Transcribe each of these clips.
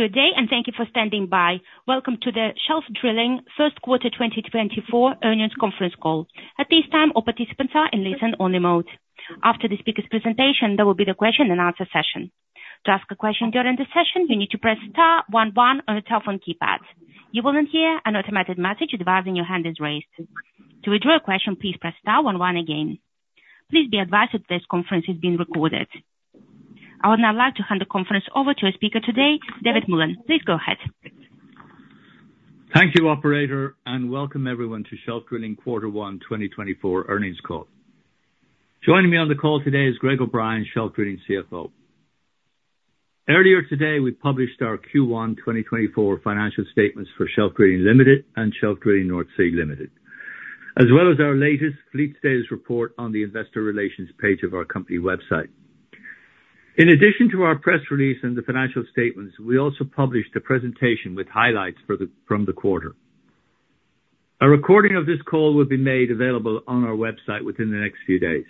Good day. Thank you for standing by. Welcome to the Shelf Drilling Q1 2024 Earnings Conference Call. At this time, all participants are in listen-only mode. After the speaker's presentation, there will be the question and answer session. To ask a question during the session, you need to press star one one on your telephone keypad. You will hear an automated message advising your hand is raised. To withdraw your question, please press star one one again. Please be advised that this conference is being recorded. I would now like to hand the conference over to our speaker today, David Mullen. Please go ahead. Thank you, operator. Welcome everyone to Shelf Drilling Q1 2024 Earnings Call. Joining me on the call today is Greg O'Brien, Shelf Drilling CFO. Earlier today, we published our Q1 2024 financial statements for Shelf Drilling, Ltd. and Shelf Drilling (North Sea), Ltd., as well as our latest fleet status report on the investor relations page of our company website. In addition to our press release and the financial statements, we also published a presentation with highlights from the quarter. A recording of this call will be made available on our website within the next few days.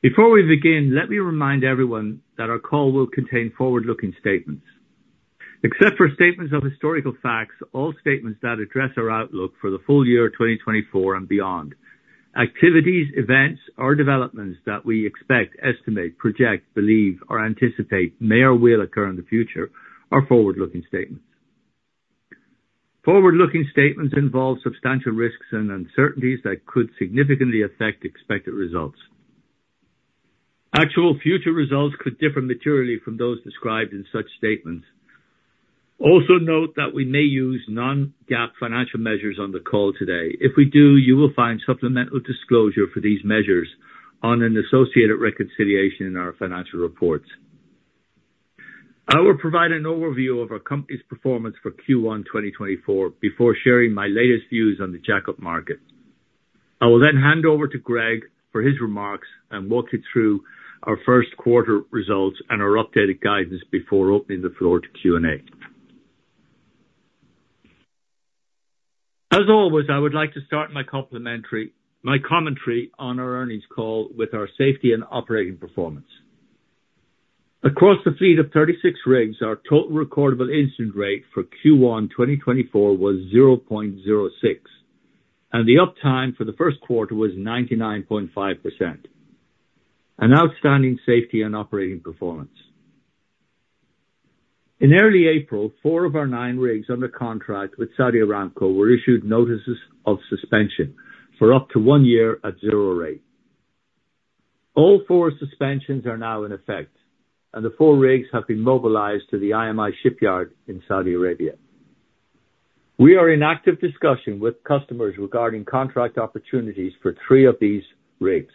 Before we begin, let me remind everyone that our call will contain forward-looking statements. Except for statements of historical facts, all statements that address our outlook for the full year 2024 and beyond, activities, events, or developments that we expect, estimate, project, believe, or anticipate may or will occur in the future are forward-looking statements. Forward-looking statements involve substantial risks and uncertainties that could significantly affect expected results. Actual future results could differ materially from those described in such statements. Also note that we may use non-GAAP financial measures on the call today. If we do, you will find supplemental disclosure for these measures on an associated reconciliation in our financial reports. I will provide an overview of our company's performance for Q1 2024 before sharing my latest views on the jack-up market. I will then hand over to Greg for his remarks and walk you through our Q1 results and our updated guidance before opening the floor to Q&A. As always, I would like to start my commentary on our earnings call with our safety and operating performance. Across the fleet of 36 rigs, our total recordable incident rate for Q1 2024 was 0.06, and the uptime for the Q1 was 99.5%. An outstanding safety and operating performance. In early April, four of our nine rigs under contract with Saudi Aramco were issued notices of suspension for up to one year at 0 rate. All four suspensions are now in effect and the four rigs have been mobilized to the IMI shipyard in Saudi Arabia. We are in active discussion with customers regarding contract opportunities for three of these rigs,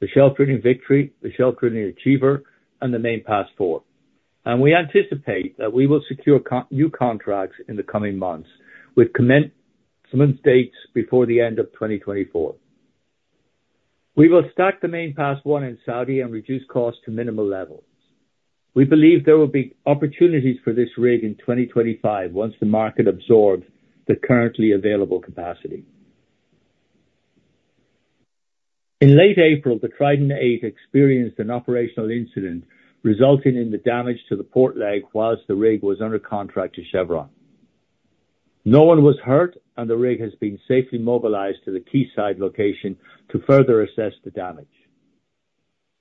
the Shelf Drilling Victory, the Shelf Drilling Achiever, and the Main Pass IV. We anticipate that we will secure new contracts in the coming months with commence dates before the end of 2024. We will stack the Main Pass I in Saudi and reduce costs to minimal levels. We believe there will be opportunities for this rig in 2025 once the market absorbs the currently available capacity. In late April, the Trident VIII experienced an operational incident resulting in the damage to the port leg whilst the rig was under contract to Chevron. No one was hurt. The rig has been safely mobilized to the quayside location to further assess the damage.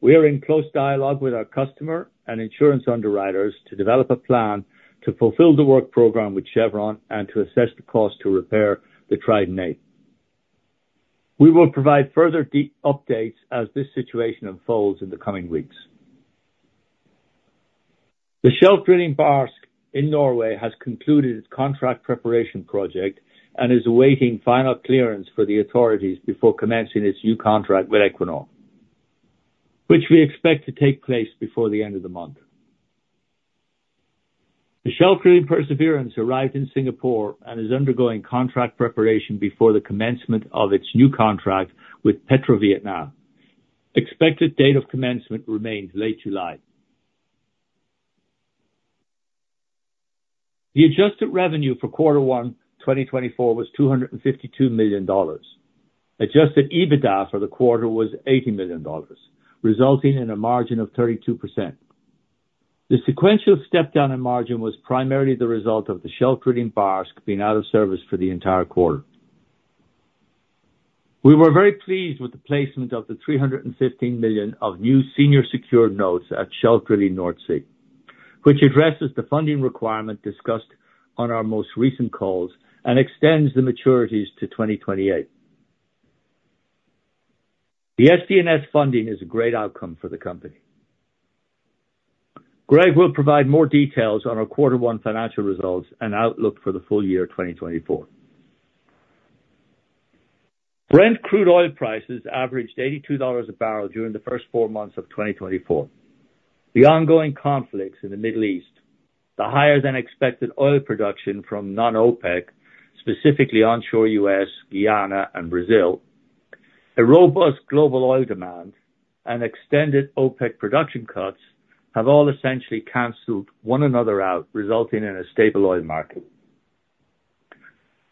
We are in close dialogue with our customer and insurance underwriters to develop a plan to fulfill the work program with Chevron and to assess the cost to repair the Trident VIII. We will provide further updates as this situation unfolds in the coming weeks. The Shelf Drilling Barsk in Norway has concluded its contract preparation project and is awaiting final clearance for the authorities before commencing its new contract with Equinor, which we expect to take place before the end of the month. The Shelf Drilling Perseverance arrived in Singapore and is undergoing contract preparation before the commencement of its new contract with Petrovietnam. Expected date of commencement remains late July. The adjusted revenue for Q1 2024 was $252 million. Adjusted EBITDA for the quarter was $80 million resulting in a margin of 32%. The sequential step down in margin was primarily the result of the Shelf Drilling Barsk being out of service for the entire quarter. We were very pleased with the placement of the $315 million of new senior secured notes at Shelf Drilling North Sea, which addresses the funding requirement discussed on our most recent calls and extends the maturities to 2028. The SDNS funding is a great outcome for the company. Greg will provide more details on our quarter one financial results and outlook for the full year 2024. Brent crude oil prices averaged $82 a barrel during the first four months of 2024. The ongoing conflicts in the Middle East, the higher-than-expected oil production from non-OPEC, specifically onshore U.S., Guyana, and Brazil, a robust global oil demand and extended OPEC production cuts have all essentially canceled one another out, resulting in a stable oil market.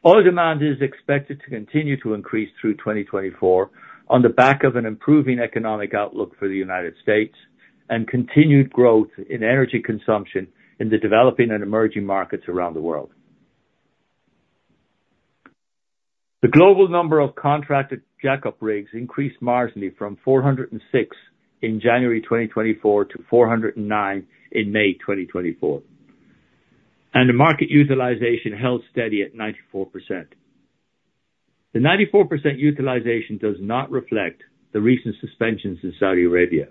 Oil demand is expected to continue to increase through 2024 on the back of an improving economic outlook for the United States and continued growth in energy consumption in the developing and emerging markets around the world. The global number of contracted jack-up rigs increased marginally from 406 in January 2024 to 409 in May 2024, and the market utilization held steady at 94%. The 94% utilization does not reflect the recent suspensions in Saudi Arabia.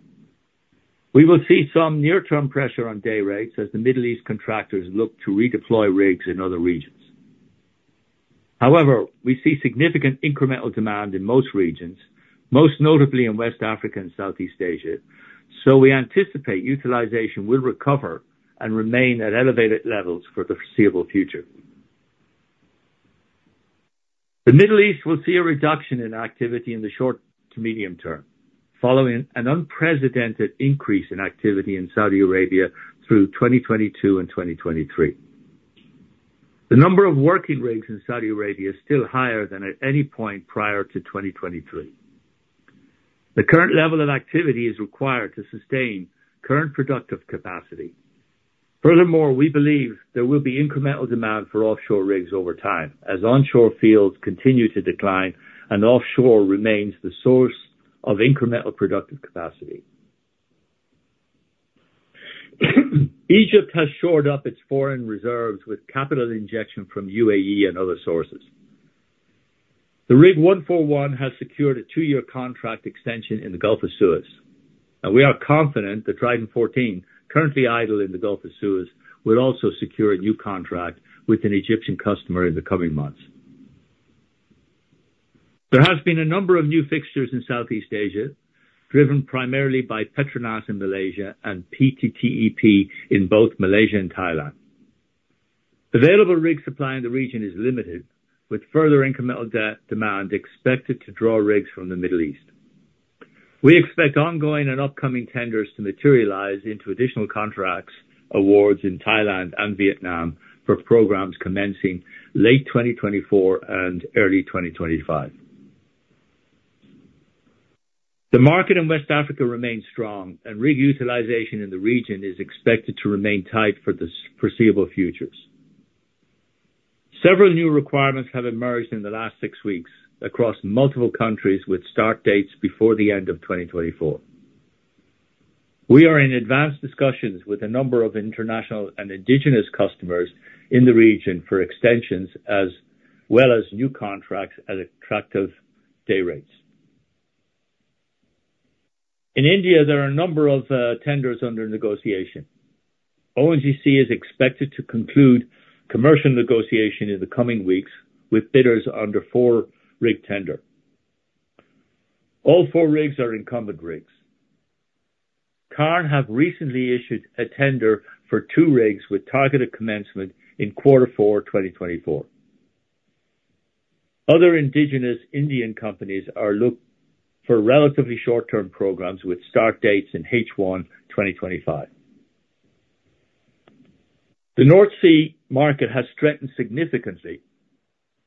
We will see some near-term pressure on day rates as the Middle East contractors look to redeploy rigs in other regions. We see significant incremental demand in most regions, most notably in West Africa and Southeast Asia. We anticipate utilization will recover and remain at elevated levels for the foreseeable future. The Middle East will see a reduction in activity in the short to medium term, following an unprecedented increase in activity in Saudi Arabia through 2022 and 2023. The number of working rigs in Saudi Arabia is still higher than at any point prior to 2023. The current level of activity is required to sustain current productive capacity. We believe there will be incremental demand for offshore rigs over time as onshore fields continue to decline and offshore remains the source of incremental productive capacity. Egypt has shored up its foreign reserves with capital injection from UAE and other sources. The Rig 141 has secured a two-year contract extension in the Gulf of Suez, and we are confident that Trident XIV, currently idle in the Gulf of Suez, will also secure a new contract with an Egyptian customer in the coming months. There has been a number of new fixtures in Southeast Asia, driven primarily by PETRONAS in Malaysia and PTTEP in both Malaysia and Thailand. Available rig supply in the region is limited, with further incremental de-demand expected to draw rigs from the Middle East. We expect ongoing and upcoming tenders to materialize into additional contracts awards in Thailand and Vietnam for programs commencing late 2024 and early 2025. The market in West Africa remains strong and rig utilization in the region is expected to remain tight for the foreseeable futures. Several new requirements have emerged in the last six weeks across multiple countries with start dates before the end of 2024. We are in advanced discussions with a number of international and indigenous customers in the region for extensions as well as new contracts at attractive day rates. In India, there are a number of tenders under negotiation. ONGC is expected to conclude commercial negotiation in the coming weeks with bidders under four rig tender. All four rigs are incumbent rigs. Cairn have recently issued a tender for two rigs with targeted commencement in Q4, 2024. Other indigenous Indian companies are look for relatively short-term programs with start dates in H1 2025. The North Sea market has strengthened significantly.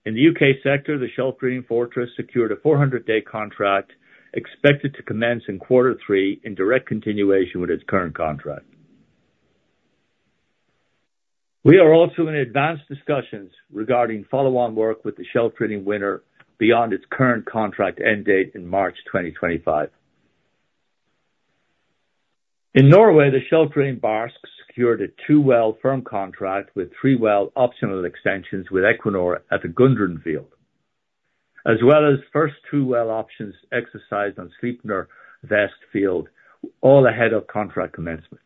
In the UK sector, the Shelf Drilling Fortress secured a 400-day contract expected to commence in quarter three in direct continuation with its current contract. We are also in advanced discussions regarding follow-on work with the Shelf Drilling Winner beyond its current contract end date in March 2025. In Norway, the Shelf Drilling Barsk secured a two-well firm contract with three well optional extensions with Equinor at the Gudrun field. As well as first two-well options exercised on Sleipner Vest field, all ahead of contract commencement.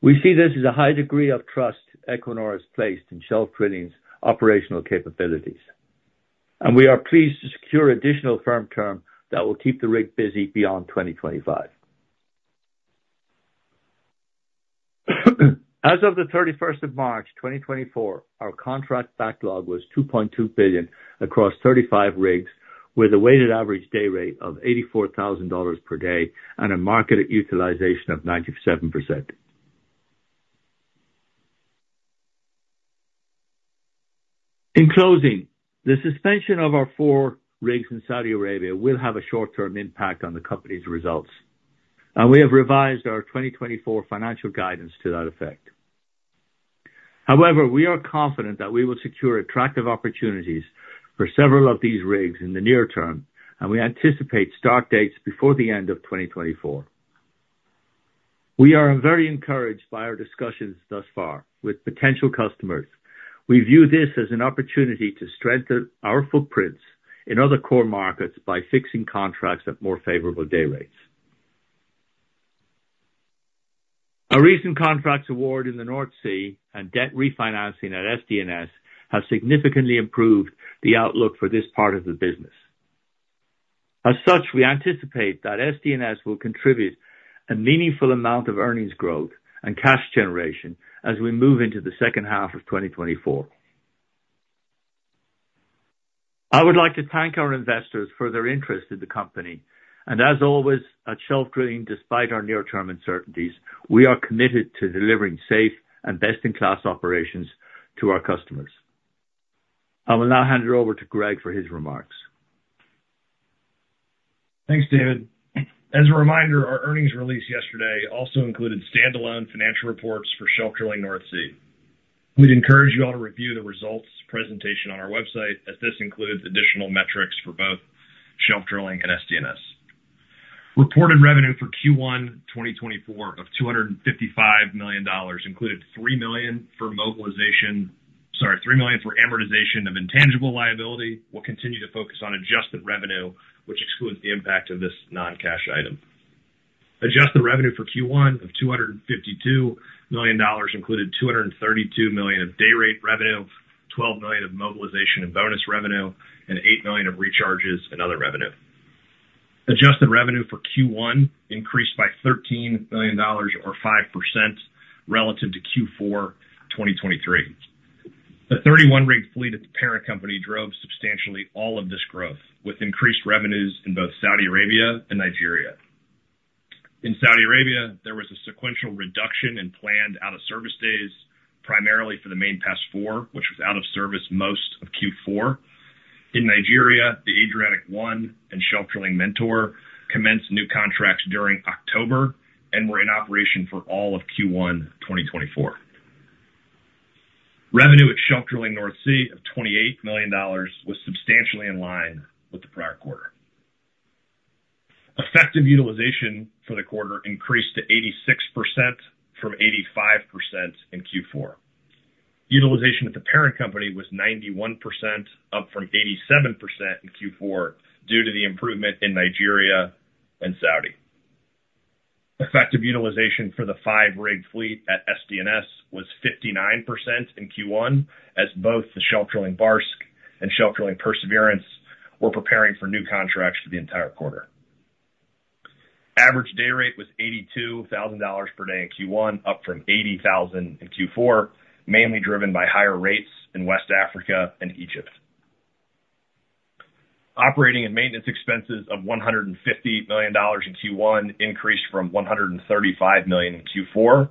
We see this as a high degree of trust Equinor has placed in Shelf Drilling's operational capabilities, and we are pleased to secure additional firm term that will keep the rig busy beyond 2025. As of March 31st, 2024, our contract backlog was $2.2 billion across 35 rigs with a weighted average day rate of $84,000 per day and a market utilization of 97%. In closing, the suspension of our four rigs in Saudi Arabia will have a short-term impact on the company's results. We have revised our 2024 financial guidance to that effect. However, we are confident that we will secure attractive opportunities for several of these rigs in the near term, and we anticipate start dates before the end of 2024. We are very encouraged by our discussions thus far with potential customers. We view this as an opportunity to strengthen our footprints in other core markets by fixing contracts at more favorable day rates. A recent contracts award in the North Sea and debt refinancing at SDNS have significantly improved the outlook for this part of the business. As such, we anticipate that SDNS will contribute a meaningful amount of earnings growth and cash generation as we move into the H2 of 2024. I would like to thank our investors for their interest in the company. As always, at Shelf Drilling, despite our near-term uncertainties, we are committed to delivering safe and best-in-class operations to our customers. I will now hand it over to Greg for his remarks. Thank David. As a reminder, our earnings release yesterday also included stand-alone financial reports for Shelf Drilling North Sea. We'd encourage you all to review the results presentation on our website, as this includes additional metrics for both Shelf Drilling and SDNS. Reported revenue for Q1 2024 of $255 million included $3 million for mobilization, sorry, $3 million for amortization of intangible liability. We'll continue to focus on adjusted revenue, which excludes the impact of this non-cash item. Adjusted revenue for Q1 of $252 million included $232 million of day rate revenue, $12 million of mobilization and bonus revenue and $8 million of recharges and other revenue. Adjusted revenue for Q1 increased by $13 million or 5% relative to Q4 2023. The 31 rig fleet at the parent company drove substantially all of this growth, with increased revenues in both Saudi Arabia and Nigeria. In Saudi Arabia, there was a sequential reduction in planned out-of-service days, primarily for the Main Pass IV, which was out of service most of Q4. In Nigeria, the Adriatic I and Shelf Drilling Mentor commenced new contracts during October and were in operation for all of Q1 2024. Revenue at Shelf Drilling North Sea of $28 million was substantially in line with the prior quarter. Effective utilization for the quarter increased to 86% from 85% in Q4. Utilization at the parent company was 91%, up from 87% in Q4 due to the improvement in Nigeria and Saudi. Effective utilization for the five-rig fleet at SDNS was 59% in Q1, as both the Shelf Drilling Barsk and Shelf Drilling Perseverance were preparing for new contracts for the entire quarter. Average day rate was $82,000 per day in Q1, up from $80,000 in Q4, mainly driven by higher rates in West Africa and Egypt. Operating and maintenance expenses of $150 million in Q1 increased from $135 million in Q4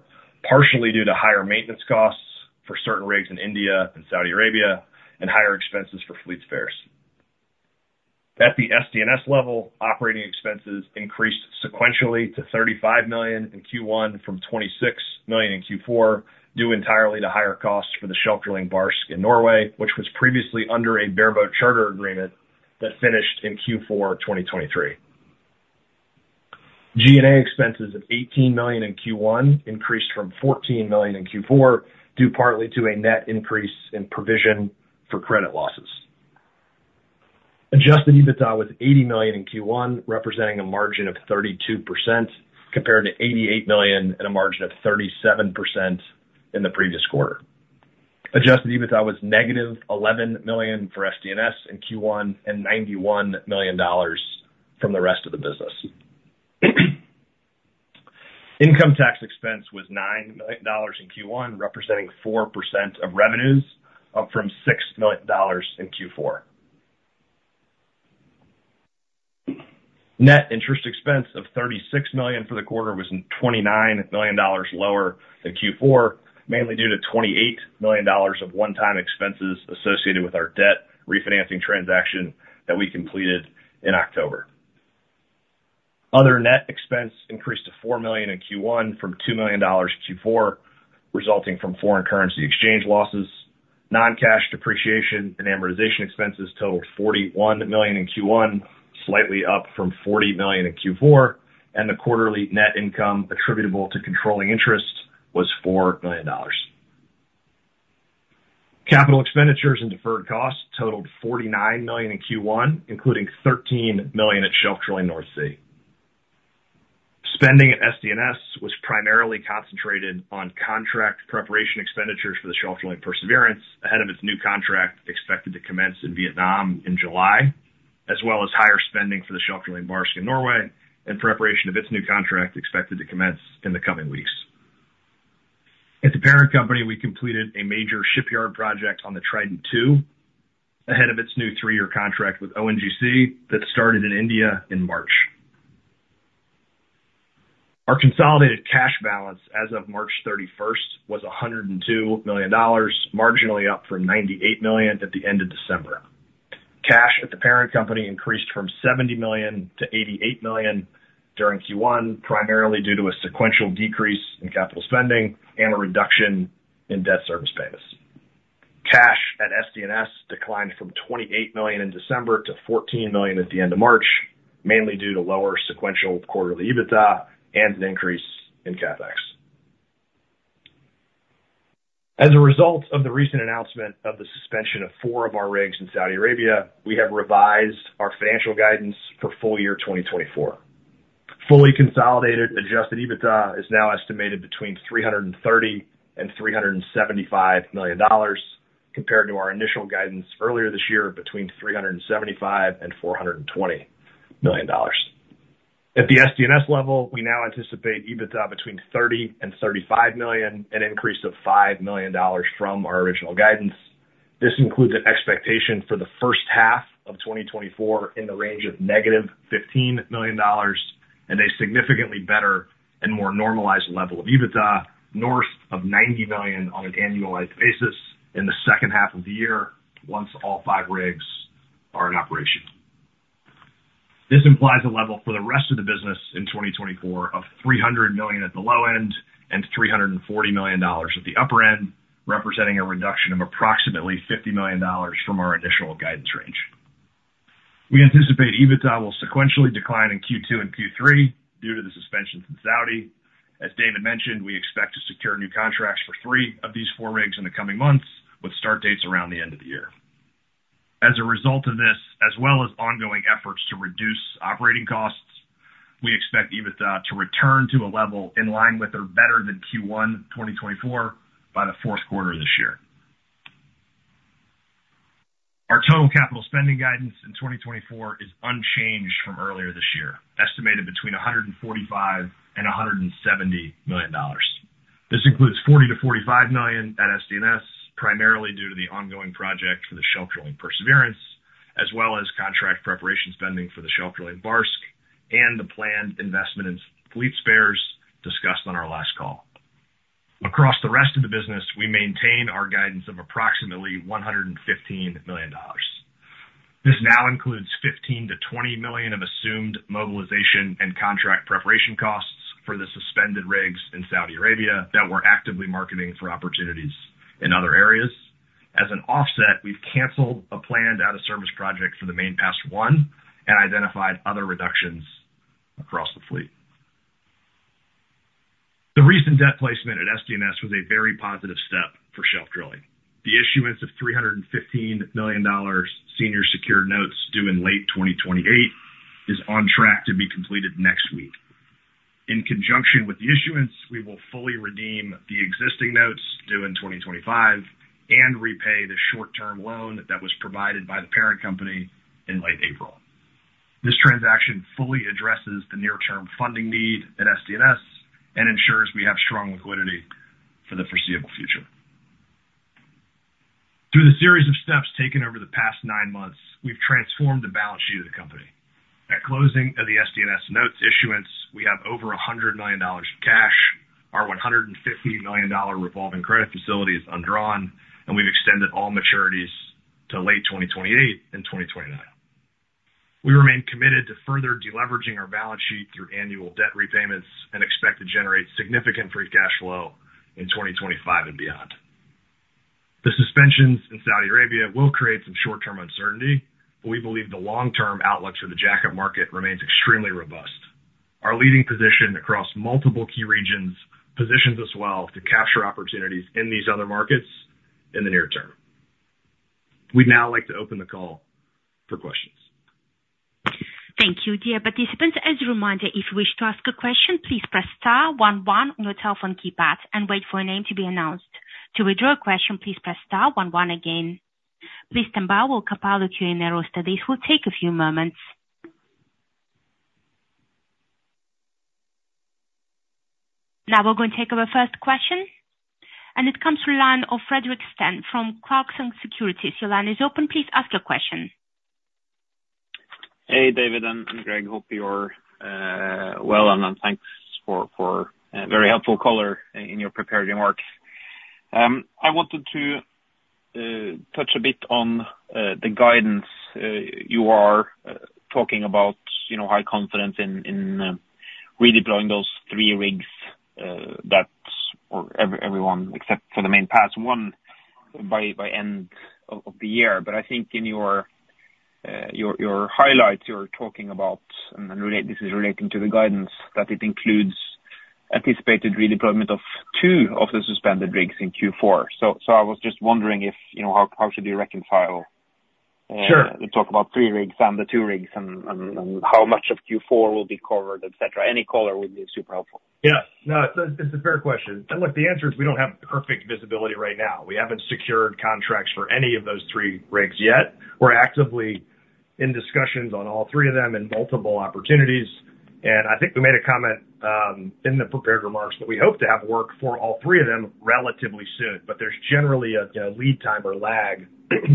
partially due to higher maintenance costs for certain rigs in India and Saudi Arabia and higher expenses for fleet spares. At the SDNS level, operating expenses increased sequentially to $35 million in Q1 from $26 million in Q4 due entirely to higher costs for the Shelf Drilling Barsk in Norway which was previously under a bareboat charter agreement that finished in Q4 2023. G&A expenses of $18 million in Q1 increased from $14 million in Q4 due partly to a net increase in provision for credit losses. Adjusted EBITDA was $80 million in Q1 representing a margin of 32% compared to $88 million at a margin of 37% in the previous quarter. Adjusted EBITDA was negative $11 million for SDNS in Q1 and $91 million from the rest of the business. Income tax expense was $9 million in Q1 representing 4% of revenues up from $6 million in Q4. Net interest expense of $36 million for the quarter was $29 million lower than Q4 mainly due to $28 million of one-time expenses associated with our debt refinancing transaction that we completed in October. Other net expense increased to $4 million in Q1 from $2 million in Q4 resulting from foreign currency exchange losses. Non-cash depreciation and amortization expenses totaled $41 million in Q1 slightly up from $40 million in Q4 and the quarterly net income attributable to controlling interest was $4 million. Capital expenditures and deferred costs totaled $49 million in Q1 including $13 million at Shelf Drilling North Sea. Spending at SDNS was primarily concentrated on contract preparation expenditures for the Shelf Drilling Perseverance ahead of its new contract expected to commence in Vietnam in July, as well as higher spending for the Shelf Drilling Barsk in Norway in preparation of its new contract expected to commence in the coming weeks. At the parent company we completed a major shipyard project on the Trident II ahead of its new three-year contract with ONGC that started in India in March. Our consolidated cash balance as of March 31st was $102 million marginally up from $98 million at the end of December. Cash at the parent company increased from $70 million-$88 million during Q1, primarily due to a sequential decrease in capital spending and a reduction in debt service payments. Cash at SDNS declined from $28 million in December to $14 million at the end of March, mainly due to lower sequential quarterly EBITDA and an increase in CapEx. As a result of the recent announcement of the suspension of four of our rigs in Saudi Arabia we have revised our financial guidance for full year 2024. Fully consolidated Adjusted EBITDA is now estimated between $330 million and $375 million compared to our initial guidance earlier this year of between $375 million and $420 million. At the SDNS level, we now anticipate EBITDA between $30 million and $35 million an increase of $5 million from our original guidance. This includes an expectation for the H1 of 2024 in the range of negative $15 million and a significantly better and more normalized level of EBITDA north of $90 million on an annualized basis in the H2 of the year once all five rigs are in operation. This implies a level for the rest of the business in 2024 of $300 million at the low end and $340 million at the upper end representing a reduction of approximately $50 million from our initial guidance range. We anticipate EBITDA will sequentially decline in Q2 and Q3 due to the suspension from Saudi. As David mentioned, we expect to secure new contracts for three of these four rigs in the coming months, with start dates around the end of the year. As a result of this, as well as ongoing efforts to reduce operating costs we expect EBITDA to return to a level in line with or better than Q1 2024 by the Q4 this year. Our total capital spending guidance in 2024 is unchanged from earlier this year, estimated between $145 million and $170 million. This includes $40 million-$45 million at SDNS primarily due to the ongoing project for the Shelf Drilling Perseverance, as well as contract preparation spending for the Shelf Drilling Barsk and the planned investment in fleet spares discussed on our last call. Across the rest of the business we maintain our guidance of approximately $115 million. This now includes $15 million-$20 million of assumed mobilization and contract preparation costs for the suspended rigs in Saudi Arabia that we're actively marketing for opportunities in other areas. As an offset, we've canceled a planned out of service project for the Main Pass I and identified other reductions across the fleet. The recent debt placement at SDNS was a very positive step for Shelf Drilling. The issuance of $315 million senior secured notes due in late 2028 is on track to be completed next week. In conjunction with the issuance we will fully redeem the existing notes due in 2025 and repay the short-term loan that was provided by the parent company in late April. This transaction fully addresses the near term funding need at SDNS and ensures we have strong liquidity for the foreseeable future. Through the series of steps taken over the past nine months we've transformed the balance sheet of the company. At closing of the SDNS notes issuance we have over $100 million in cash. Our $150 million revolving credit facility is undrawn and we've extended all maturities to late 2028 and 2029. We remain committed to further deleveraging our balance sheet through annual debt repayments and expect to generate significant free cash flow in 2025 and beyond. The suspensions in Saudi Arabia will create some short-term uncertainty but we believe the long-term outlook for the jack-up market remains extremely robust. Our leading position across multiple key regions positions us well to capture opportunities in these other markets in the near term. We'd now like to open the call for questions. Thank you. Dear participants, as a reminder, if you wish to ask a question, please press star one one on your telephone keypad and wait for a name to be announced. To withdraw a question, please press star one one again. Please stand by while we compile the Q&A roster. This will take a few moments. We're going to take our first question. It comes from line of Fredrik Stene from Clarksons Securities. Your line is open. Please ask your question. Hey David and Greg. Hope you're well, thanks for a very helpful color in your prepared remarks. I wanted to touch a bit on the guidance. You are talking about, you know, high confidence in really blowing those three rigs that everyone except for the Main Pass I by end of the year. I think in your highlights, you're talking about and this is relating to the guidance that it includes anticipated redeployment of two of the suspended rigs in Q4. I was just wondering if, you know, how should we reconcile. Sure. You talk about three rigs and the two rigs and how much of Q4 will be covered, et cetera. Any color would be super helpful. No, it's a fair question. Look, the answer is we don't have perfect visibility right now. We haven't secured contracts for any of those three rigs yet. We're actively in discussions on all three of them in multiple opportunities. I think we made a comment in the prepared remarks that we hope to have work for all three of them relatively soon. There's generally a lead time or lag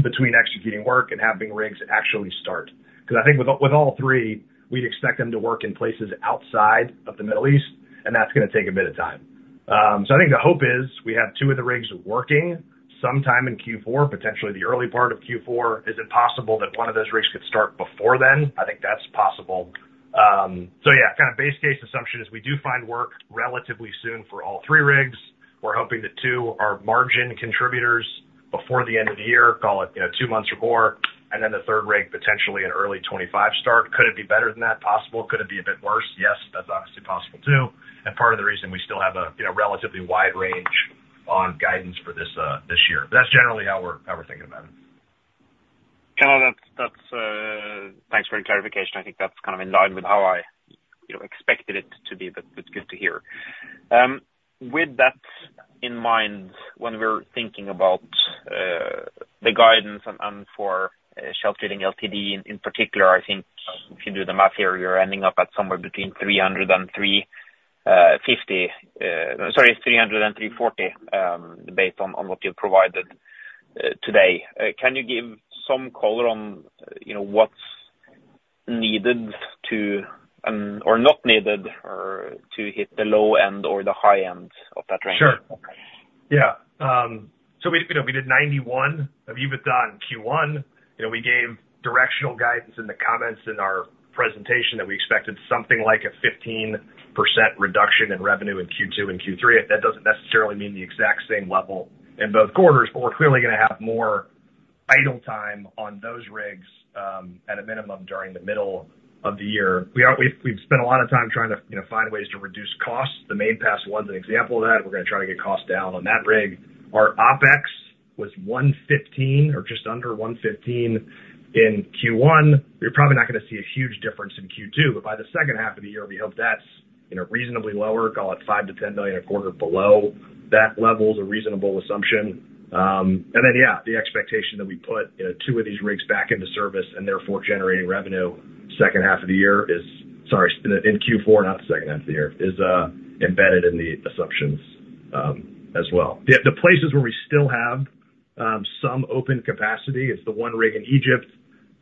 between executing work and having rigs actually start. Because I think with all three we'd expect them to work in places outside of the Middle East and that's going to take a bit of time. I think the hope is we have two of the rigs working sometime in Q4 potentially the early part of Q4. Is it possible that one of those rigs could start before then? I think that's possible. Yeah, kind of base case assumption is we do find work relatively soon for all three rigs. We're hoping that two are margin contributors before the end of the year, call it, you know, two months or more, and then the third rig potentially an early 2025 start. Could it be better than that? Possible. Could it be a bit worse? Yes, that's obviously possible too, and part of the reason we still have a, you know, relatively wide range on guidance for this year. That's generally how we're, how we're thinking about it. Kind of that's. Thanks for the clarification. I think that's kind of in line with how I, you know, expected it to be, but it's good to hear. With that in mind, when we're thinking about the guidance and for Shelf Drilling, Ltd. in particular, I think if you do the math here, you're ending up at somewhere between $300 and $350. Sorry, $300 and $340 based on what you've provided today. Can you give some color on, you know, what's needed to or not needed or to hit the low end or the high end of that range? Sure. Yeah. We, you know, we did $91 of EBITDA in Q1. You know, we gave directional guidance in the comments in our presentation that we expected something like a 15% reduction in revenue in Q2 and Q3. That doesn't necessarily mean the exact same level in both quarters, but we're clearly gonna have more idle time on those rigs at a minimum during the middle of the year. We've spent a lot of time trying to, you know, find ways to reduce costs. The Main Pass I's an example of that. We're gonna try to get costs down on that rig. Our OpEX was $115 or just under $115 in Q1. You're probably not gonna see a huge difference in Q2. By the H2 of the year, we hope that's, you know, reasonably lower call it $5 million-$10 million a quarter below that level is a reasonable assumption. Yeah, the expectation that we put, you know two of these rigs back into service and therefore generating revenue H2 of the year is in Q4 not the H2 of the year is embedded in the assumptions as well. The places where we still have some open capacity is the one rig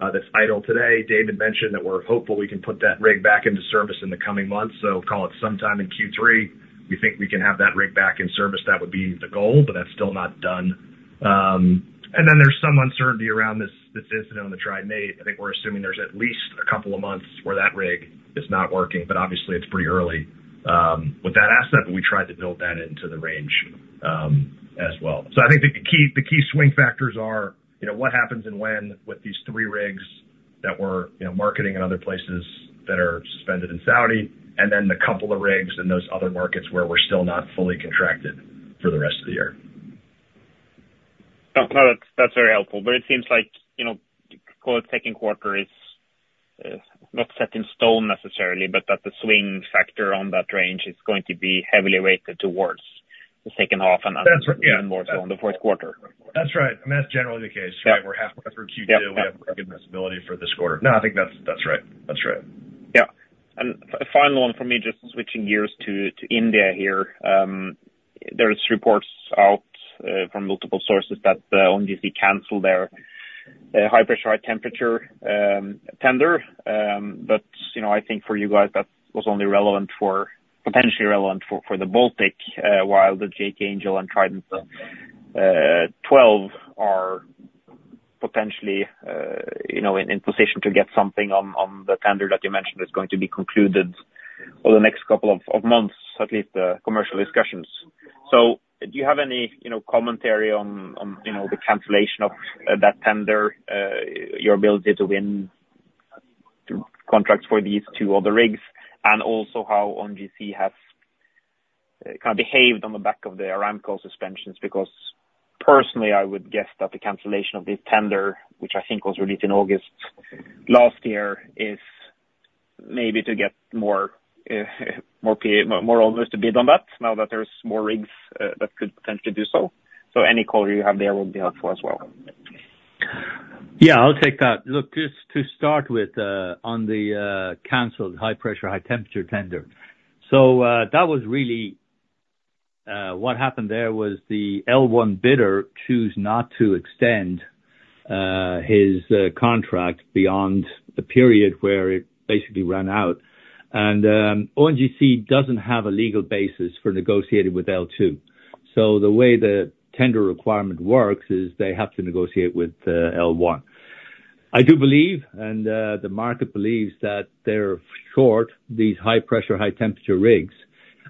in Egypt that's idle today. David mentioned that we're hopeful we can put that rig back into service in the coming months. Call it sometime in Q3, we think we can have that rig back in service. That would be the goal, but that's still not done. There's some uncertainty around this incident on the Trident VIII. I think we're assuming there's at least a couple of months where that rig is not working but obviously it's pretty early with that asset but we tried to build that into the range as well. I think the key, the key swing factors are, you know, what happens and when with these three rigs that we're, you know, marketing in other places that are suspended in Saudi and then the two rigs in those other markets where we're still not fully contracted for the rest of the year. No, no, that's very helpful. It seems like, you know, call it Q2 is not set in stone necessarily, but that the swing factor on that range is going to be heavily weighted towards the H2. That's right, yeah. Even more so on the Q4. That's right. I mean, that's generally the case, right? Yeah. We're halfway through Q2. Yeah. We have a good visibility for this quarter. I think that's right. That's right. Yeah. Final one for me, just switching gears to India here. There are reports out from multiple sources that ONGC canceled their high pressure, high temperature tender. I think for you guys that was only relevant for. potentially relevant for the Baltic while the J.T. Angel and Trident XII are potentially, you know, in position to get something on the tender that you mentioned is going to be concluded over the next couple of months, at least commercial discussions. Do you have any, you know, commentary on, you know, the cancellation of that tender, your ability to win contracts for these two other rigs? And also how ONGC has kind of behaved on the back of the Aramco suspensions? Personally, I would guess that the cancellation of this tender which I think was released in August last year is maybe to get more owners to bid on that now that there's more rigs that could potentially do so. Any color you have there will be helpful as well. Yeah, I'll take that. Look, just to start with on the canceled high pressure, high temperature tender. That was really what happened there was the L1 bidder choose not to extend his contract beyond the period where it basically ran out. ONGC doesn't have a legal basis for negotiating with L2. The way the tender requirement works is they have to negotiate with L1. I do believe and the market believes that they're short these high pressure, high temperature rigs.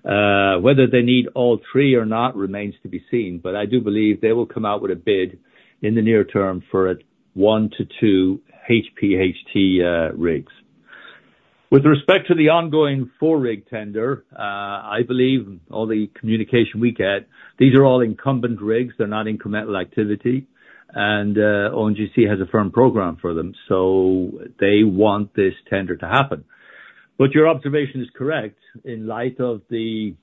Whether they need all three or not remains to be seen, but I do believe they will come out with a bid in the near term for one to two HPHT rigs. With respect to the ongoing four rig tender, I believe all the communication we get, these are all incumbent rigs. They're not incremental activity and ONGC has a firm program for them, so they want this tender to happen. Your observation is correct. In light of the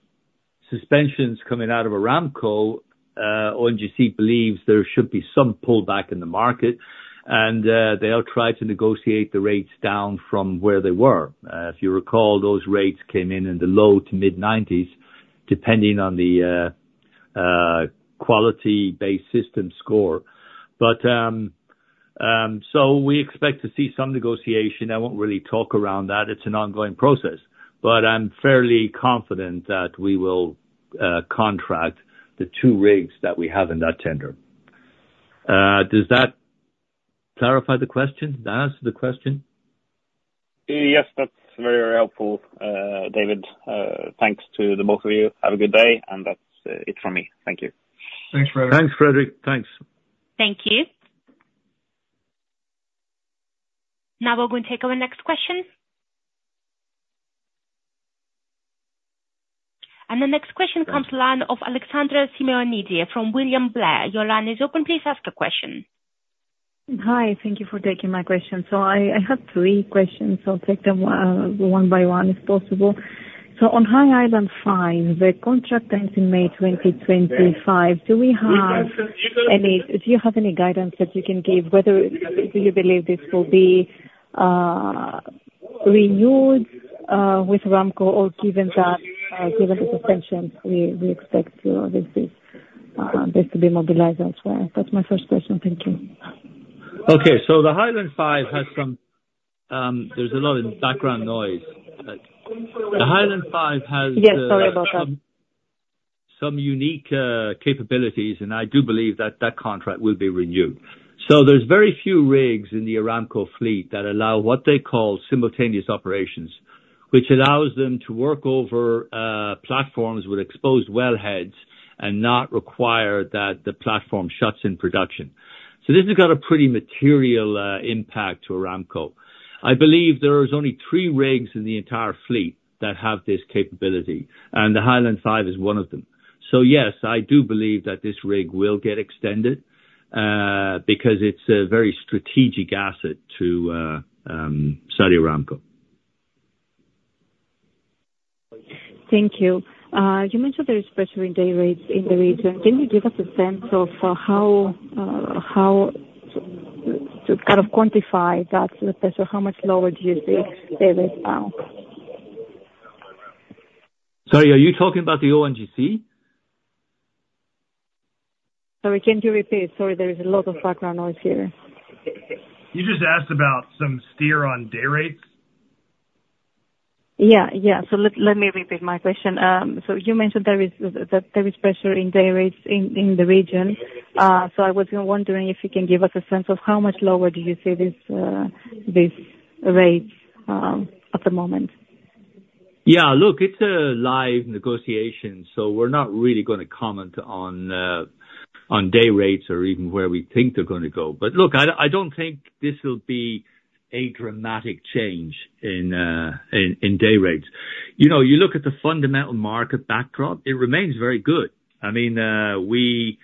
suspensions coming out of Aramco, ONGC believes there should be some pullback in the market and they'll try to negotiate the rates down from where they were. If you recall, those rates came in in the low to mid-nineties, depending on the quality-based system score. We expect to see some negotiation. I won't really talk around that. It's an ongoing process, but I'm fairly confident that we will contract the two rigs that we have in that tender. Does that clarify the question? Does that answer the question? Yes, that's very helpful David. Thanks to the both of you. Have a good day and that's it from me. Thank you. Thanks Fredrik. Thanks Fredrik. Thanks. Thank you. Now we're going to take our next question. The next question comes line of Alexandra Symeonidi from William Blair, your line is open. Please ask a question. Hi. Thank you for taking my question. I have three questions, I'll take them one by one, if possible. On High Island V, the contract ends in May 2025. Do you have any guidance that you can give whether do you believe this will be renewed with Aramco or given that given the suspension, we expect, you know, this is this to be mobilized elsewhere? That's my first question. Thank you. Okay. The High Island V has some, there's a lot of background noise. The High Island V has. Yes, sorry about that. Some unique capabilities. I do believe that that contract will be renewed. There's very few rigs in the Aramco fleet that allow what they call simultaneous operations which allows them to work over platforms with exposed wellheads and not require that the platform shuts in production. This has got a pretty material impact to Aramco. I believe there is only three rigs in the entire fleet that have this capability. The High Island V is one of them. Yes, I do believe that this rig will get extended because it's a very strategic asset to Saudi Aramco. Thank you. You mentioned there is pressure in dayrates in the region. Can you give us a sense of how to kind of quantify that pressure, how much lower do you see dayrates now? Sorry, are you talking about the ONGC? Sorry, can you repeat? Sorry, there is a lot of background noise here. You just asked about some steer on dayrates. Yeah. Let me repeat my question. You mentioned there is pressure in dayrates in the region. I was wondering if you can give us a sense of how much lower do you see this rates at the moment? Look, it's a live negotiation, so we're not really gonna comment on day rates or even where we think they're gonna go. Look, I don't think this will be a dramatic change in day rates. You know, you look at the fundamental market backdrop it remains very good. I mean, we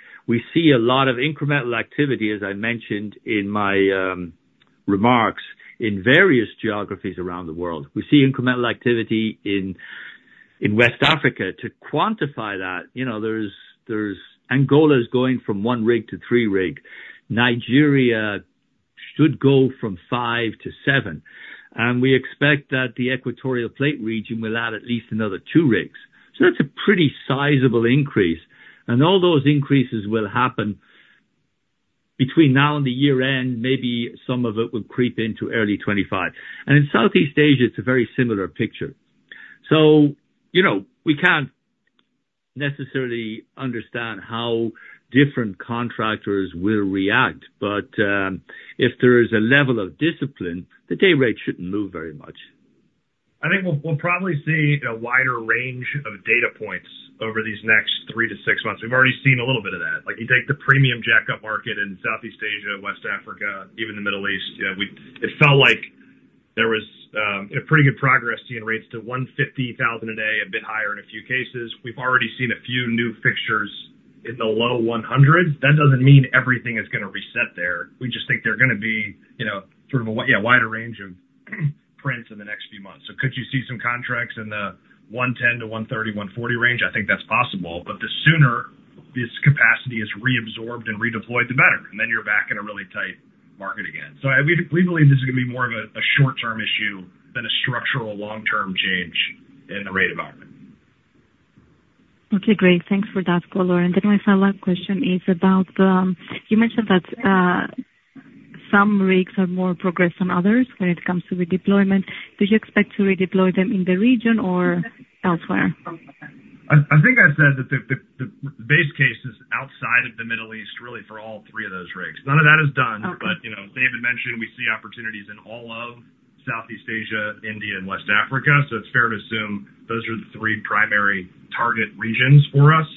see a lot of incremental activity, as I mentioned in my remarks, in various geographies around the world. We see incremental activity in West Africa. To quantify that, you know, there's Angola's going from one rig to three rig. Nigeria should go from five to seven. We expect that the Equatorial plate region will add at least another two rigs. That's a pretty sizable increase and all those increases will happen between now and the year-end. Maybe some of it will creep into early 2025. In Southeast Asia, it's a very similar picture. You know, we can't necessarily understand how different contractors will react but if there is a level of discipline, the day rate shouldn't move very much. I think we'll probably see a wider range of data points over these next three to six months. We've already seen a little bit of that. Like, you take the premium jack-up market in Southeast Asia, West Africa, even the Middle East. It felt like there was pretty good progress seeing rates to $150,000 a day a bit higher in a few cases. We've already seen a few new fixtures in the low $100s. That doesn't mean everything is gonna reset there. We just think they're gonna be, you know, sort of a wider range of prints in the next few months. Could you see some contracts in the $110-$130, $140 range? I think that's possible. The sooner this capacity is reabsorbed and redeployed the better and then you're back in a really tight market again. We believe this is gonna be more of a short-term issue than a structural long-term change in the rate environment. Okay, great. Thanks for that color. My final question is about. You mentioned that some rigs are more progressed than others when it comes to redeployment. Do you expect to redeploy them in the region or elsewhere? I think I said that the base case is outside of the Middle East, really for all three of those rigs. None of that is done. Okay. You know, David mentioned we see opportunities in all of Southeast Asia, India and West Africa, so it's fair to assume those are the three primary target regions for us.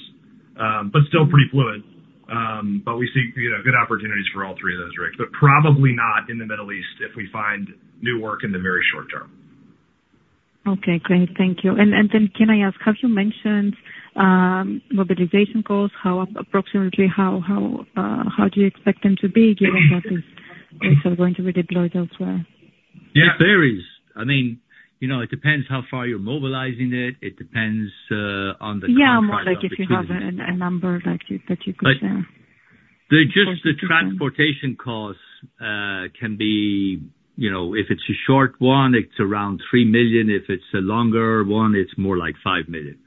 Still pretty fluid. We see, you know, good opportunities for all three of those rigs but probably not in the Middle East if we find new work in the very short term. Okay, great. Thank you. Then can I ask, have you mentioned mobilization costs? How approximately how do you expect them to be given that these rigs are going to redeploy elsewhere? Yeah, it varies. I mean, you know, it depends how far you're mobilizing it. It depends. Yeah, more like if you have a number that you could share. The transportation costs, you know, if it's a short one it's around $3 million. If it's a longer one it's more like $5 million.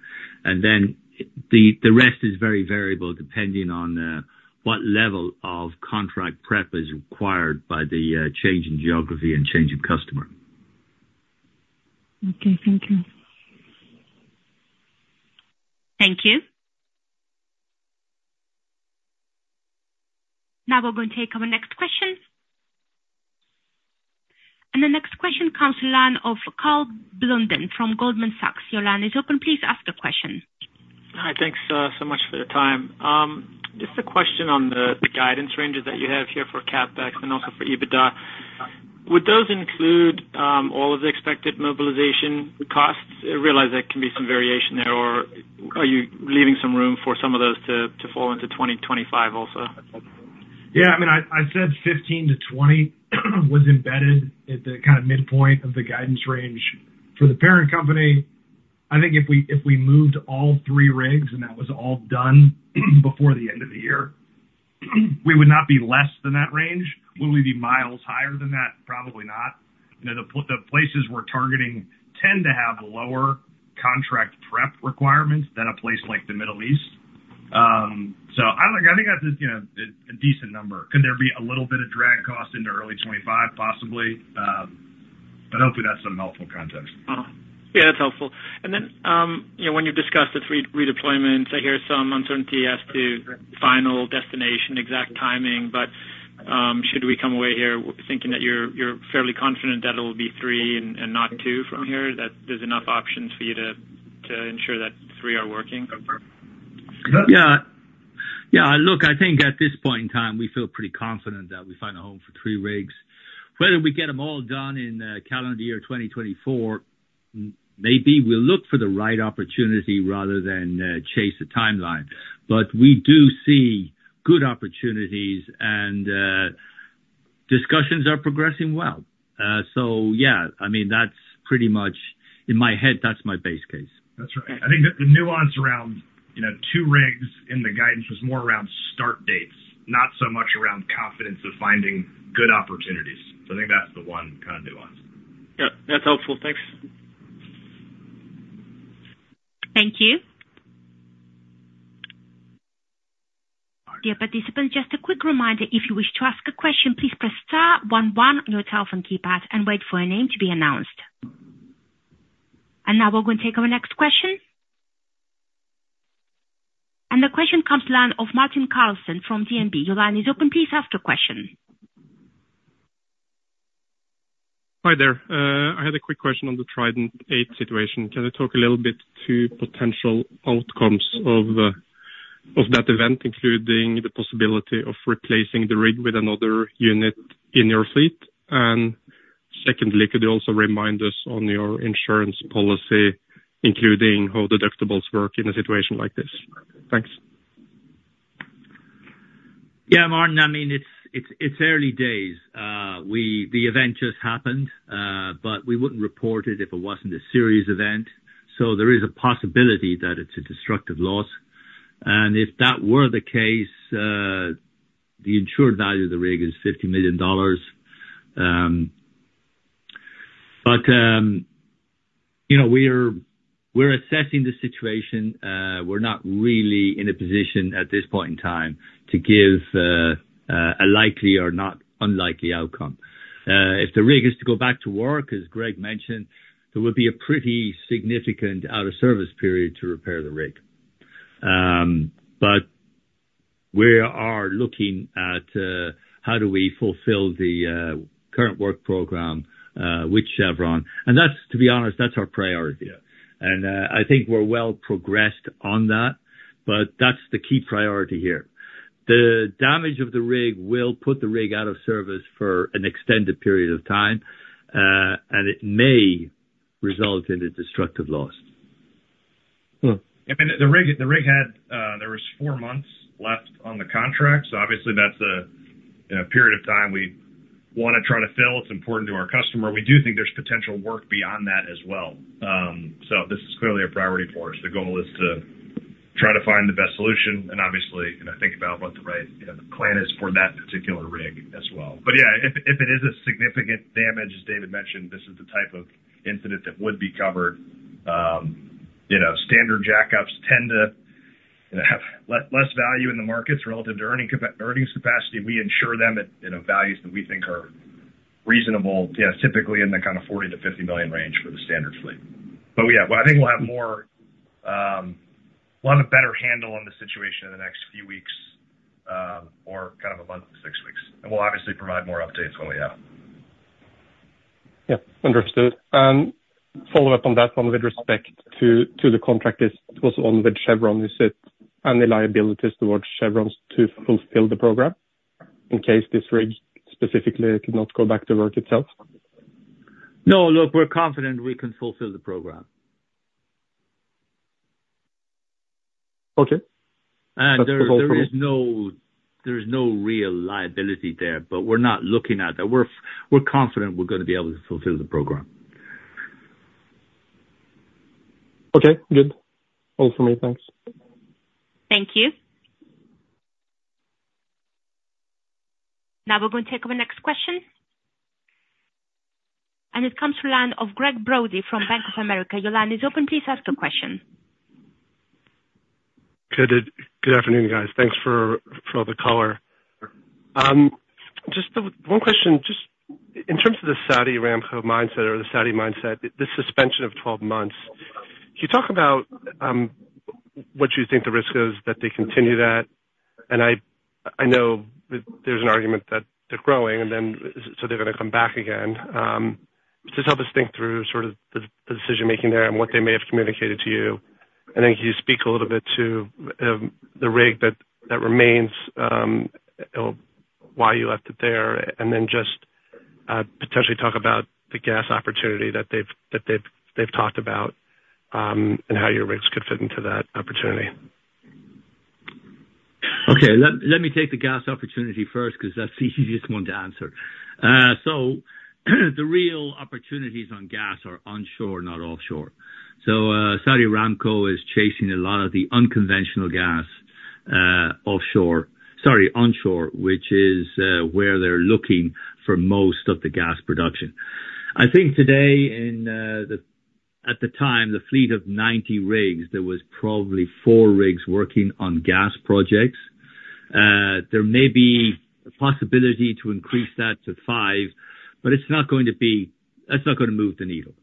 The rest is very variable depending on what level of contract prep is required by the change in geography and change in customer. Okay, thank you. Thank you. Now we're going to take our next question. The next question comes the line of Karl Blunden from Goldman Sachs. Your line is open. Please ask the question. Hi. Thanks so much for your time. Just a question on the guidance ranges that you have here for CapEx and also for EBITDA. Would those include all of the expected mobilization costs? I realize there can be some variation there, or are you leaving some room for some of those to fall into 2025 also? I mean, I said 15-20 was embedded at the kind of midpoint of the guidance range. For the parent company, I think if we moved all three rigs and that was all done before the end of the year we would not be less than that range. Will we be miles higher than that? Probably not. You know, the places we're targeting tend to have lower contract prep requirements than a place like the Middle East. So I think that's just, you know, a decent number. Could there be a little bit of drag cost into early 2025? Possibly. Hopefully that's some helpful context. Yeah, that's helpful. Then, you know, when you discuss the three redeployments, I hear some uncertainty as to final destination, exact timing, but should we come away here thinking that you're fairly confident that it'll be three and not two from here, that there's enough options for you to ensure that three are working? Yeah. Yeah. Look, I think at this point in time we feel pretty confident that we find a home for three rigs. Whether we get them all done in calendar year 2024, maybe we'll look for the right opportunity rather than chase the timeline. We do see good opportunities and discussions are progressing well. Yeah. I mean, that's pretty much, in my head, that's my base case. That's right. I think the nuance around, you know, two rigs in the guidance was more around start dates not so much around confidence of finding good opportunities. I think that's the one kind of nuance. Yeah, that's helpful. Thanks. Thank you. Dear participants, just a quick reminder, if you wish to ask a question, please press star one one on your telephone keypad and wait for a name to be announced. Now we're going to take our next question. The question comes to line of Martin Karlsen from DNB. Your line is open. Please ask your question. Hi there. I had a quick question on the Trident VIII situation. Can you talk a little bit to potential outcomes of that event including the possibility of replacing the rig with another unit in your fleet? Secondly, could you also remind us on your insurance policy including how the deductibles work in a situation like this? Thanks. Yeah, Martin. I mean, it's early days. The event just happened. We wouldn't report it if it wasn't a serious event. There is a possibility that it's a destructive loss. If that were the case the insured value of the rig is $50 million. You know, we're assessing the situation. We're not really in a position at this point in time to give a likely or not unlikely outcome. If the rig is to go back to work, as Greg mentioned, there will be a pretty significant out of service period to repair the rig. We are looking at how do we fulfill the current work program with Chevron. That's, to be honest, that's our priority. Yeah. I think we're well progressed on that but that's the key priority here. The damage of the rig will put the rig out of service for an extended period of time, and it may result in a destructive loss. Hmm. I mean, the rig had four months left on the contract obviously that's a, you know, period of time we wanna try to fill. It's important to our customer. We do think there's potential work beyond that as well. This is clearly a priority for us. The goal is to try to find the best solution and obviously, you know, think about what the right, you know, plan is for that particular rig as well. Yeah, if it is a significant damage, as David mentioned, this is the type of incident that would be covered. You know, standard jack-ups tend to, you know, have less value in the markets relative to earnings capacity. We insure them at, you know, values that we think are reasonable. Yeah, typically in the kind of $40 million-$50 million range for the standard fleet. Yeah, but I think we'll have more we'll have a better handle on the situation in the next few weeks, or kind of one month to six weeks. We'll obviously provide more updates when we have them. Yeah. Understood. Follow up on that one with respect to the contract is also on with Chevron, is it and the liabilities towards Chevron to fulfill the program in case this rig specifically cannot go back to work itself? No. Look, we're confident we can fulfill the program. Okay. There is no real liability there. We're not looking at that. We're confident we're gonna be able to fulfill the program. Okay, good. All for me. Thanks. Thank you. Now we're going to take our next question. It comes to line of Gregg Brody from Bank of America. Your line is open. Please ask your question. Good afternoon, guys. Thanks for all the color. Just one question. Just in terms of the Saudi Aramco mindset or the Saudi mindset, the suspension of 12 months, can you talk about what you think the risk is that they continue that? I know there's an argument that they're growing and then so they're gonna come back again. Just help us think through sort of the decision making there and what they may have communicated to you. Can you speak a little bit to the rig that remains why you left it there, just potentially talk about the gas opportunity that they've talked about, and how your rigs could fit into that opportunity. Okay. Let me take the gas opportunity first because that's the easiest one to answer. The real opportunities on gas are onshore not offshore. Saudi Aramco is chasing a lot of the unconventional gas onshore, which is where they're looking for most of the gas production. I think today At the time, the fleet of 90 rigs, there was probably four rigs working on gas projects. There may be a possibility to increase that to five, that's not gonna move the needle.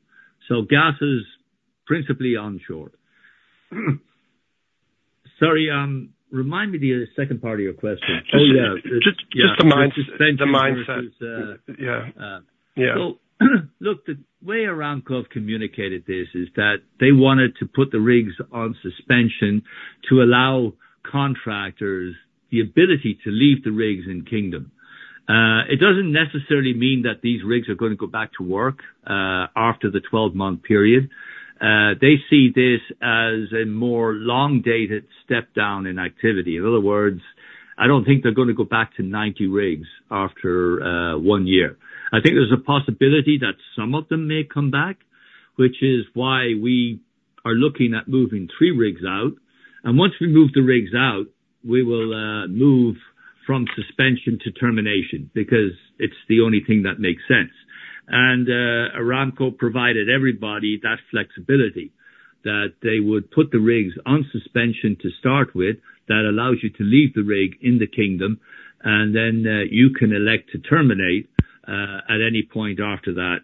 Gas is principally onshore. Sorry, remind me the second part of your question. Oh, yeah. Just the mindset. The mindset. Suspension versus. Yeah. Yeah. Well, look, the way Aramco communicated this is that they wanted to put the rigs on suspension to allow contractors the ability to leave the rigs in Kingdom. It doesn't necessarily mean that these rigs are gonna go back to work after the 12-month period. They see this as a more long-dated step down in activity. In other words, I don't think they're gonna go back to 90 rigs after one year. I think there's a possibility that some of them may come back which is why we are looking at moving three rigs out. Once we move the rigs out we will move from suspension to termination because it's the only thing that makes sense. Aramco provided everybody that flexibility that they would put the rigs on suspension to start with. That allows you to leave the rig in the Kingdom, and then, you can elect to terminate, at any point after that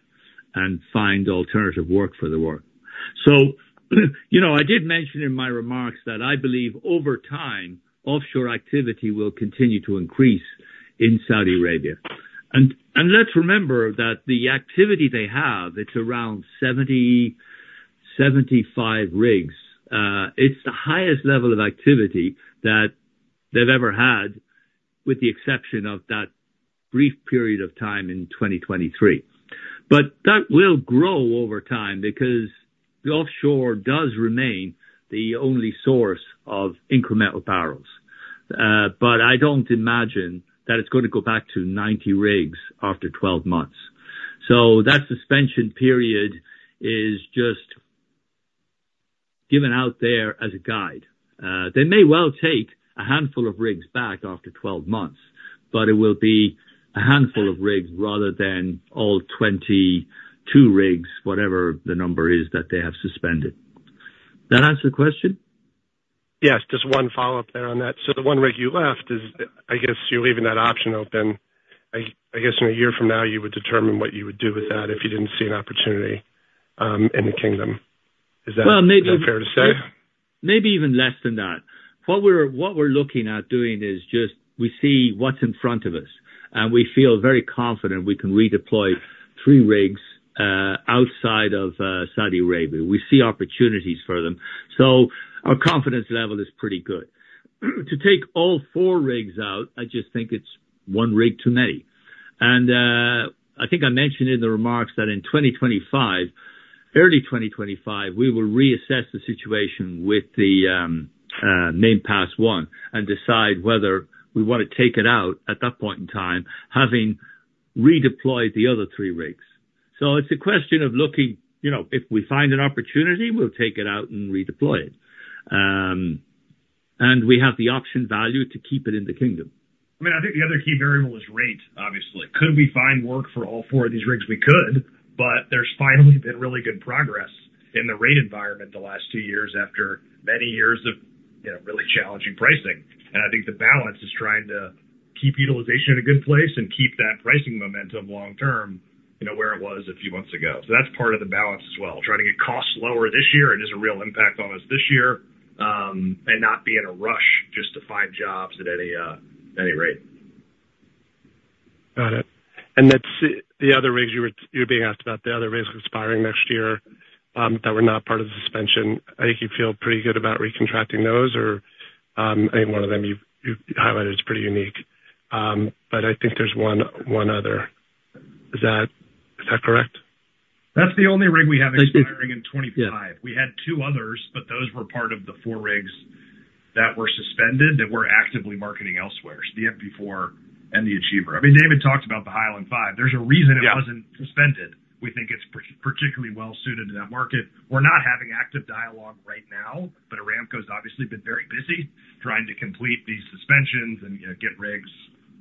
and find alternative work for the work. You know, I did mention in my remarks that I believe over time, offshore activity will continue to increase in Saudi Arabia. Let's remember that the activity they have it's around 70-75 rigs. It's the highest level of activity that they've ever had with the exception of that brief period of time in 2023. That will grow over time because the offshore does remain the only source of incremental barrels. I don't imagine that it's gonna go back to 90 rigs after 12 months. That suspension period is just given out there as a guide. They may well take a handful of rigs back after 12 months, but it will be a handful of rigs rather than all 22 rigs whatever the number is that they have suspended. That answer the question? Yes. Just one follow-up there on that. The one rig you left is, I guess you're leaving that option open. I guess in a year from now you would determine what you would do with that if you didn't see an opportunity in the Kingdom. Is that? Well, maybe. Is that fair to say? Maybe even less than that. What we're looking at doing is just we see what's in front of us and we feel very confident we can redeploy three rigs outside of Saudi Arabia. We see opportunities for them. Our confidence level is pretty good. To take all four rigs out I just think it's one rig too many. I think I mentioned in the remarks that in 2025, early 2025, we will reassess the situation with the Main Pass I and decide whether we wanna take it out at that point in time, having redeployed the other three rigs. It's a question of looking. You know, if we find an opportunity we'll take it out and redeploy it. We have the option value to keep it in the Kingdom. I mean, I think the other key variable is rate, obviously. Could we find work for all four of these rigs? We could. There's finally been really good progress in the rate environment the last two years after many years of, you know, really challenging pricing. I think the balance is trying to keep utilization in a good place and keep that pricing momentum long term, you know, where it was a few months ago. That's part of the balance as well. Trying to get costs lower this year. It is a real impact on us this year, and not be in a rush just to find jobs at any rate. Got it. The other rigs you were being asked about the other rigs expiring next year that were not part of the suspension. I think you feel pretty good about recontracting those or any one of them you've highlighted as pretty unique. I think there's one other. Is that correct? That's the only rig we have expiring in 25. We had two others those were part of the four rigs that were suspended that we're actively marketing elsewhere, so the MP IV and the Achiever. I mean, David talked about the High Island V. There's a reason it wasn't suspended. We think it's particularly well suited to that market. We're not having active dialogue right now, Aramco's obviously been very busy trying to complete these suspensions and, you know, get rigs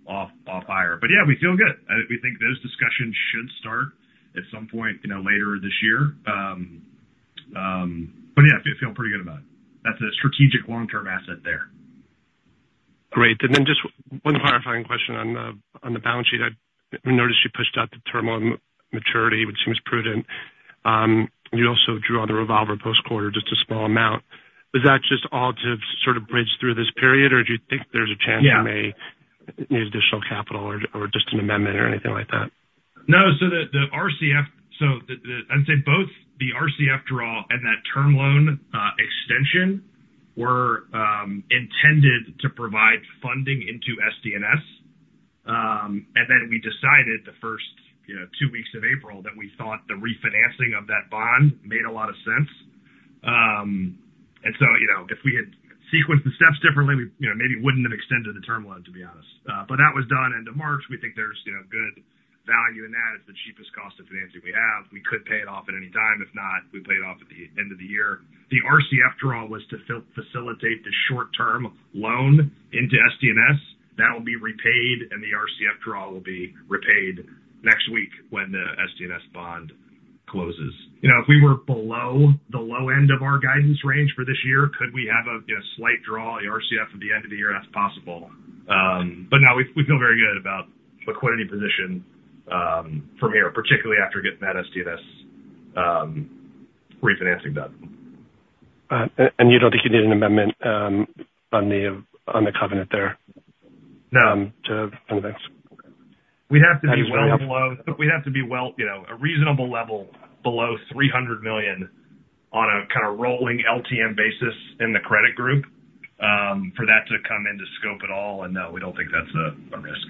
off hire. Yeah, we feel good. I think we think those discussions should start at some point, you know, later this year. Yeah, feel pretty good about it. That's a strategic long-term asset there. Great. Just one clarifying question on the, on the balance sheet. I noticed you pushed out the term on maturity, which seems prudent. You also drew on the revolver post quarter just a small amount. Is that just all to sort of bridge through this period or do you think there's a chance you? Need additional capital or just an amendment or anything like that? No. I'd say both the RCF draw and that term loan extension were intended to provide funding into SDNS. We decided the first, you know, two weeks of April that we thought the refinancing of that bond made a lot of sense. If we had sequenced the steps differently, we, you know, maybe wouldn't have extended the term loan to be honest. That was done end of March. We think there's, you know, good value in that. It's the cheapest cost of financing we have. We could pay it off at any time. If not, we pay it off at the end of the year. The RCF draw was to facilitate the short term loan into SDNS that will be repaid and the RCF draw will be repaid next week when the SDNS bond closes. You know, if we were below the low end of our guidance range for this year, could we have a, you know, slight draw at RCF at the end of the year? That's possible. Now, we feel very good about liquidity position from here, particularly after getting that SDNS refinancing done. You don't think you need an amendment on the covenant there? No. To cover this? We'd have to be well below. [inaudible] We'd have to be well, you know, a reasonable level below $300 million on a kind of rolling LTM basis in the credit group for that to come into scope at all. No, we don't think that's a risk.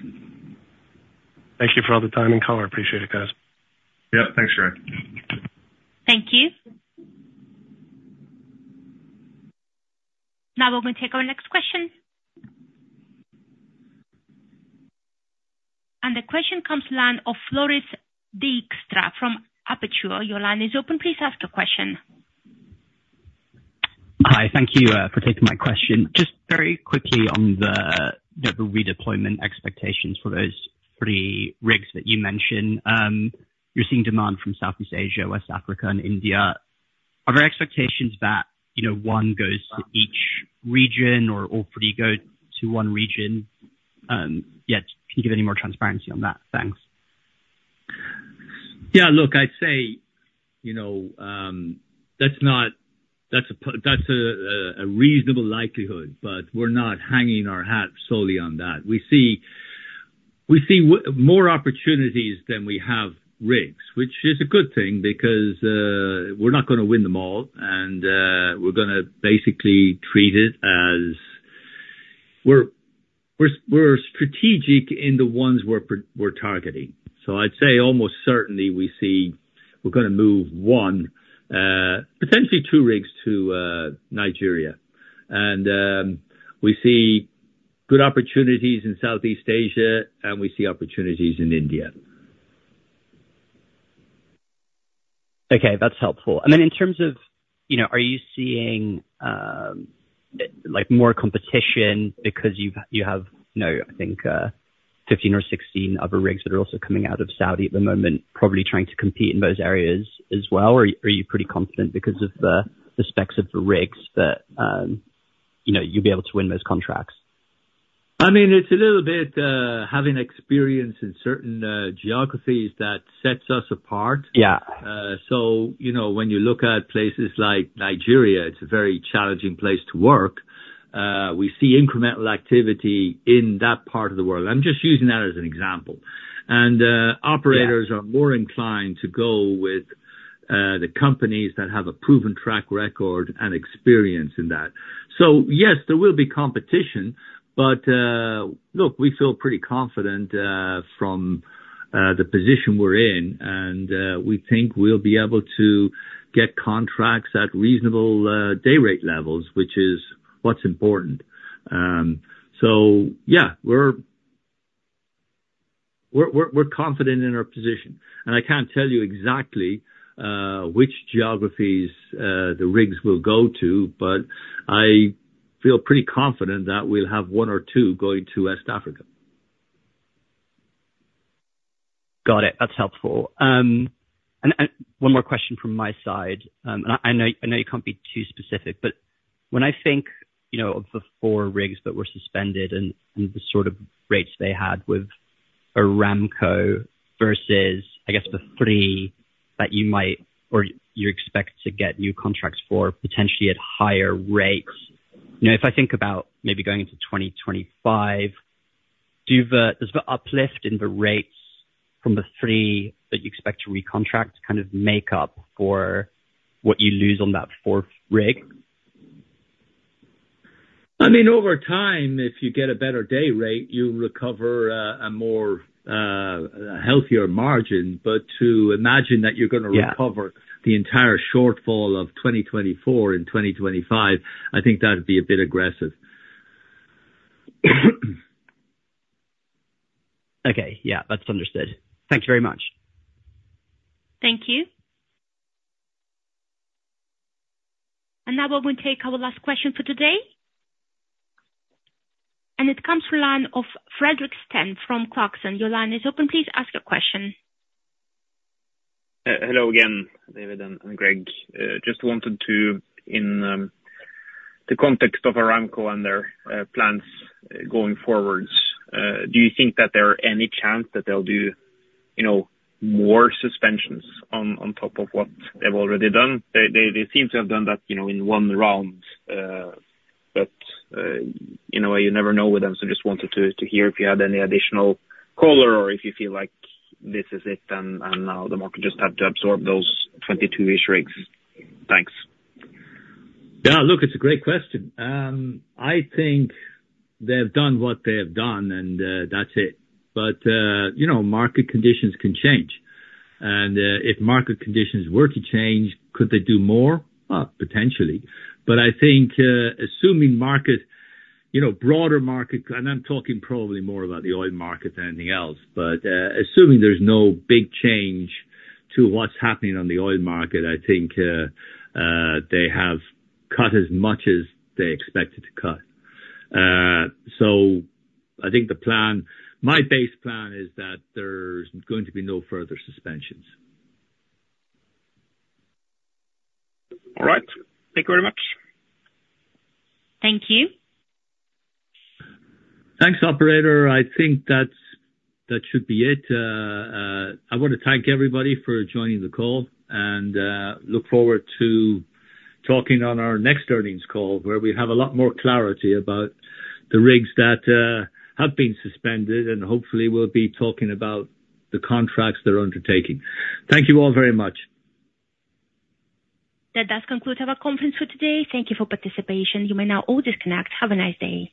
Thank you for all the time and color. Appreciate it, guys. Yeah. Thanks Greg. Thank you. Now we're gonna take our next question. The question comes line of Floris Dijkstra from Aperture. Your line is open. Please ask your question. Hi. Thank you for taking my question. Just very quickly on the redeployment expectations for those three rigs that you mentioned. You're seeing demand from Southeast Asia, West Africa and India. Are there expectations that, you know, one goes to each region or all three go to one region? Can you give any more transparency on that? Thanks. Yeah. Look, I'd say, you know, that's not. That's a reasonable likelihood but we're not hanging our hat solely on that. We see more opportunities than we have rigs which is a good thing because we're not gonna win them all and we're gonna basically treat it as we're strategic in the ones we're targeting. I'd say almost certainly we see we're gonna move one potentially two rigs to Nigeria. we see good opportunities in Southeast Asia and we see opportunities in India. Okay, that's helpful. Then in terms of, you know, are you seeing like more competition because you've, you have, you know, I think 15 or 16 other rigs that are also coming out of Saudi at the moment probably trying to compete in those areas as well or are you pretty confident because of the specs of the rigs that, you know, you'll be able to win those contracts? I mean, it's a little bit having experience in certain geographies that sets us apart. Yeah. You know, when you look at places like Nigeria, it's a very challenging place to work. We see incremental activity in that part of the world. I'm just using that as an example. Yeah. Operators are more inclined to go with the companies that have a proven track record and experience in that. Yes, there will be competition but look we feel pretty confident from the position we're in and we think we'll be able to get contracts at reasonable day rate levels which is what's important. Yeah, we're confident in our position. I can't tell you exactly which geographies the rigs will go to but I feel pretty confident that we'll have one or two going to West Africa. Got it. That's helpful. One more question from my side. I know you can't be too specific but when I think, you know, of the four rigs that were suspended and the sort of rates they had with Aramco versus, I guess, the three that you might or you expect to get new contracts for potentially at higher rates, you know, if I think about maybe going into 2025, does the uplift in the rates from the three that you expect to recontract kind of make up for what you lose on that fourth rig? I mean, over time if you get a better dayrate you'll recover a more healthier margin. To imagine that you're gonna recover-. Yeah. The entire shortfall of 2024 in 2025,I think that would be a bit aggressive. Okay. Yeah, that's understood. Thank you very much. Thank you. Now we will take our last question for today. It comes through line of Fredrik Stene from Clarksons. Your line is open. Please ask your question. hello again, David and Greg. Just wanted to, in the context of Aramco and their plans going forwards, do you think that there are any chance that they'll do, you know, more suspensions on top of what they've already done? They seem to have done that, you know, in one round. You never know with them so just wanted to hear if you had any additional color or if you feel like this is it and now the market just have to absorb those 22 rigs. Thanks. Yeah. Look, it's a great question. I think they've done what they have done and that's it. You know, market conditions can change. If market conditions were to change, could they do more? Potentially. I think, assuming market, you know, broader market and I'm talking probably more about the oil market than anything else assuming there's no big change to what's happening on the oil market I think they have cut as much as they expected to cut. I think the plan, my base plan is that there's going to be no further suspensions. All right. Thank you very much. Thank you. Thanks, Operator. I think that's, that should be it. I wanna thank everybody for joining the call, and look forward to talking on our next earnings call where we have a lot more clarity about the rigs that have been suspended, and hopefully we'll be talking about the contracts they're undertaking. Thank you all very much. That does conclude our conference for today. Thank you for participation. You may now all disconnect. Have a nice day.